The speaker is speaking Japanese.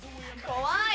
怖い！